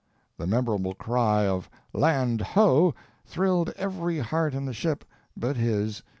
The memorable cry of "Land ho!" thrilled every heart in the ship but his.